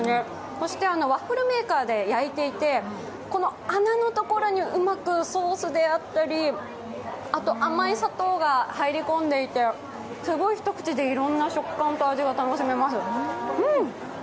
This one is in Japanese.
そしてワッフルメーカーで焼いていて、あめのところにうまくソースであったりあと甘い砂糖が入り込んでいて、すごい一口でいろんな食感と味が楽しめます。